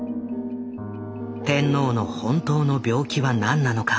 天皇の本当の病気は何なのか。